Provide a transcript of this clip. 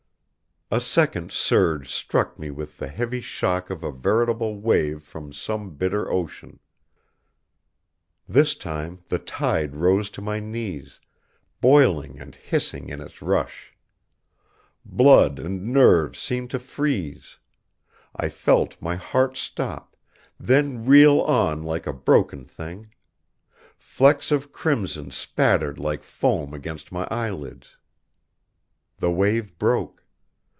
A second surge struck me with the heavy shock of a veritable wave from some bitter ocean. This time the tide rose to my knees; boiling and hissing in its rush. Blood and nerves seemed to freeze. I felt my heart stop, then reel on like a broken thing. Flecks of crimson spattered like foam against my eyelids. The wave broke.